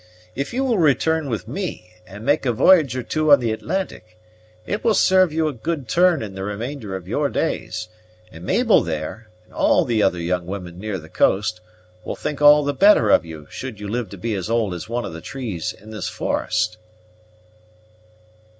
If you will return with me, and make a v'y'ge or two on the Atlantic, it will serve you a good turn the remainder of your days; and Mabel there, and all the other young women near the coast, will think all the better of you should you live to be as old as one of the trees in this forest."